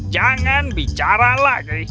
jangan bicara lagi